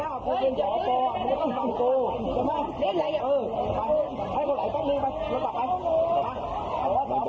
ให้เขาไหลแป๊บหนึ่งไปแล้วต่อไป